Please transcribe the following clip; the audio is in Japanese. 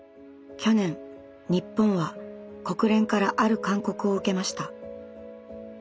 去年日本は国連からある勧告を受けました。